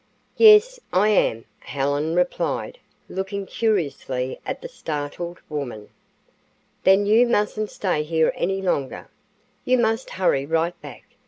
"Yes, I am," Helen replied, looking curiously at the startled woman. "Then you mustn't stay here any longer. You must hurry right back.